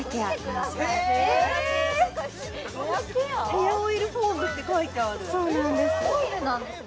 ヘアオイルフォームって書いてあるそうなんです